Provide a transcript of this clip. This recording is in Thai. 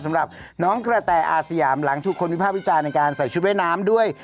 สำหรับน้องกระแตอาสยามหลังถูกคนวิภาพวิจารณ์ในการใส่ชุดว่ายน้ำด้วย